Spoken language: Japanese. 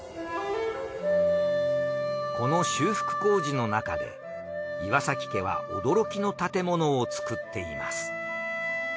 この修復工事のなかで岩崎家は驚きの建物を造っています。